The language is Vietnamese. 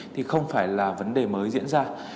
thì không phải là vấn đề mới diễn ra